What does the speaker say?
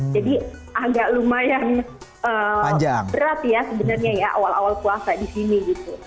jadi agak lumayan berat ya sebenarnya ya awal awal puasa di sini gitu